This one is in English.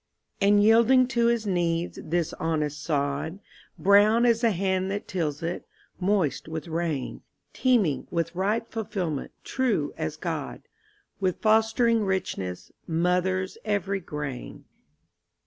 And yielding to his needs, this honest sod, Brown as the hand that tills it, moist with rain, Teeming with ripe fulfilment, true as God, With fostering richness, mothers every grain.